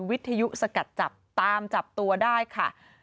วิทยุสกัดจับตามจับตัวได้ค่ะ